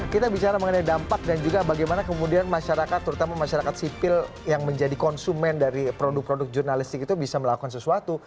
kita bicara mengenai dampak dan juga bagaimana kemudian masyarakat terutama masyarakat sipil yang menjadi konsumen dari produk produk jurnalistik itu bisa melakukan sesuatu